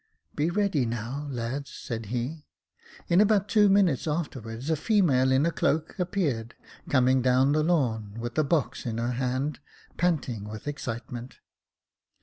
"Be ready now, my lads," said he. In about two minutes afterwards, a female, in a cloak, appeared, coming down the lawn, with a box in her hand, panting with excitement.